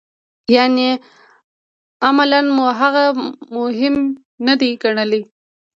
یعنې عملاً مو هغه مهم نه دی ګڼلی.